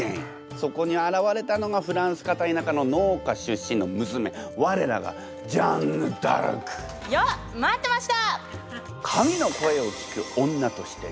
そこに現れたのがフランス片田舎の農家出身の娘我らがジャンヌ・ダルク！よっ待ってました！